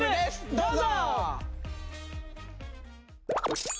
どうぞ！